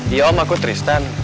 iya om aku tristan